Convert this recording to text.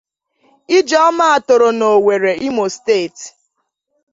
Ijeoma toro na Owerri, Imo Steeti.